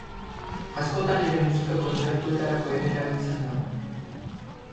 Askotan ere musika kontzertuetarako ere erabiltzen da.